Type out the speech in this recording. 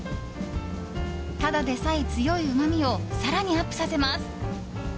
ただでさえ強いうまみを更にアップさせます。